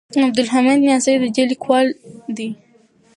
عبدالحمید نیازی د دې لیکوال دی.